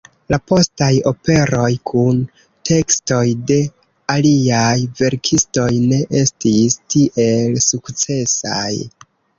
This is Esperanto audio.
La postaj operoj kun tekstoj de aliaj verkistoj ne estis tiel sukcesaj.